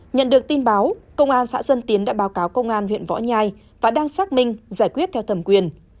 nhận được tin báo công an xã dân tiến đã báo cáo công an huyện võ nhai và đang xác minh giải quyết theo thẩm quyền